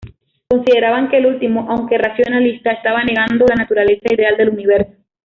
Consideraban que el último, aunque racionalista, estaba negando la naturaleza ideal del universo.